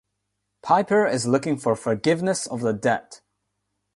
Piper is looking for forgiveness of the debt.